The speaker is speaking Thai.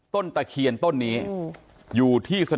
ฐานพระพุทธรูปทองคำ